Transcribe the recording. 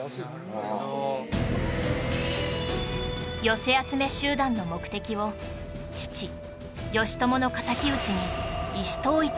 寄せ集め集団の目的を父・義朝の敵討ちに意思統一をする